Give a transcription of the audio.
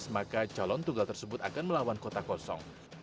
maka calon tunggal tersebut akan melawan kota kosong